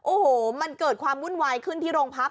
โอ้โหมันเกิดความวุ่นวายขึ้นที่โรงพัก